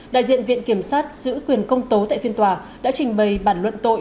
đại diện viện kiểm sát giữ quyền công tố tại phiên tòa đã trình bày bản luận tội